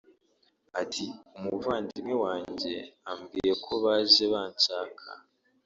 Ati “Umuvandimwe wanjye ambwiye ko baje banshaka